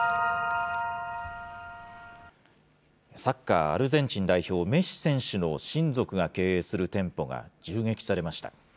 サッカー、アルゼンチン代表、メッシ選手の親族が経営する店舗が、銃撃されました。